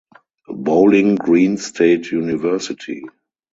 Bowling Green State University.